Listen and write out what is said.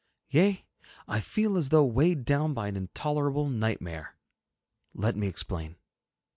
Yea, I feel as though weighed down by an intolerable nightmare. Let me explain.